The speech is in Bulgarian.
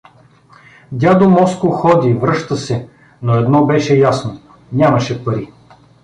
Дядо Моско ходи, връща се, но едно беше ясно: нямаше пари.